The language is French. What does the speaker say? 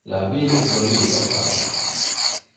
La ville est un lieu de passage.